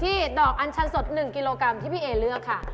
ดอกอัญชันสด๑กิโลกรัมที่พี่เอเลือกค่ะ